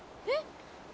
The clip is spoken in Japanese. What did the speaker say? えっ？